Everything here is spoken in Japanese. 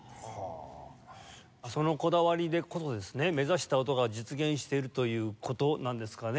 そのこだわりでこそですね目指した音が実現しているという事なんですかね？